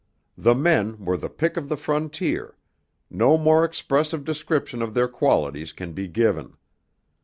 The men were the pick of the frontier; no more expressive description of their qualities can be given.